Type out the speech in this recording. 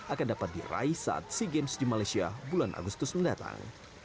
akan dapat diraih saat sea games di malaysia bulan agustus mendatang